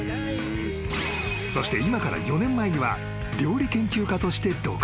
［そして今から４年前には料理研究家として独立］